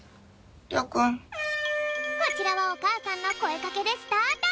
こちらはおかあさんのこえかけでスタート！